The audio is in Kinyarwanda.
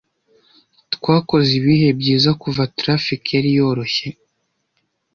Twakoze ibihe byiza kuva traffic yari yoroshye.